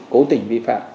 cố tình vi phạm